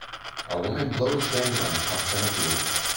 A woman blows dandelion puffs in a field.